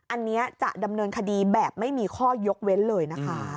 อันนี้จะดำเนินคดีแบบไม่มีข้อยกเว้นเลยนะคะ